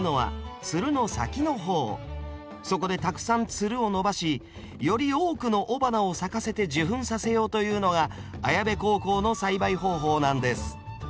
そこでたくさんつるを伸ばしより多くの雄花を咲かせて受粉させようというのが綾部高校の栽培方法なんです。